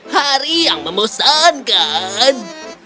hari yang memosankan